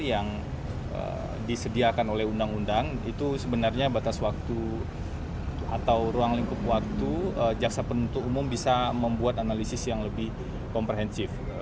yang disediakan oleh undang undang itu sebenarnya batas waktu atau ruang lingkup waktu jaksa penuntut umum bisa membuat analisis yang lebih komprehensif